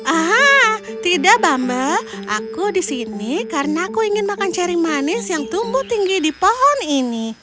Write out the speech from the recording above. ah tidak bumble aku di sini karena aku ingin makan ceri manis yang tumbuh tinggi di pohon ini